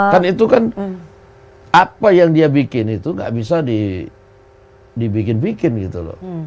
kan itu kan apa yang dia bikin itu gak bisa dibikin bikin gitu loh